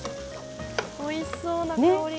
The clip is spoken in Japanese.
おいしそうな香りが！